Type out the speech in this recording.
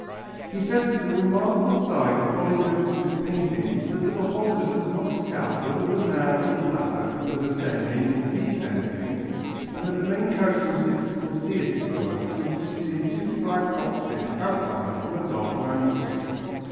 He says that the remarkable side of Polygnotus' painting was that the beholder could not tell whether the man on the ladder was ascending or descending, and that the main characteristic of Pausias' work consisted in two black oxen outlined on a dark landscape.